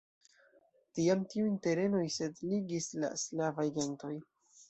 Tiam tiujn terenoj setligis la slavaj gentoj.